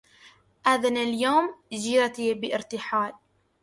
آذن اليوم جيرتي بارتحال